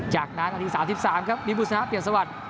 จากนั้นนาที๓๓ครับมีบุษณะเปลี่ยนสวัสดิ์